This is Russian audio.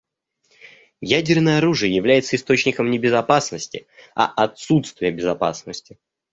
Ядерное оружие является источником не безопасности, а отсутствия безопасности.